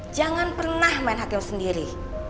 jangan pernah main hakim sendiri